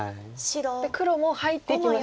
で黒も入っていきました。